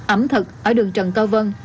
ẩm thực ở đường trần cao vân